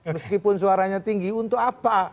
meskipun suaranya tinggi untuk apa